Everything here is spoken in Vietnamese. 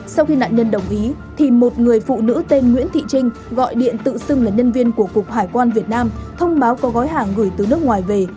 sau khi nạn nhân đồng ý thì một người phụ nữ tên nguyễn thị trinh gọi điện tự xưng là nhân viên của cục hải quan việt nam thông báo có gói hàng gửi từ nước ngoài về